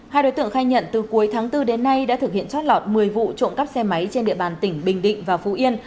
hai đối tượng khai nhận từ cuối tháng bốn đến nay đã thực hiện trót lọt một mươi vụ trộm cắp xe máy trên địa bàn tỉnh bình định và phú yên